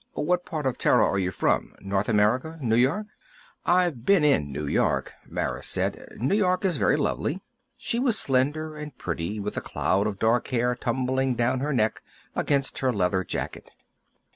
What part of Terra are you from? North America? New York?" "I've been in New York," Mara said. "New York is very lovely." She was slender and pretty, with a cloud of dark hair tumbling down her neck, against her leather jacket.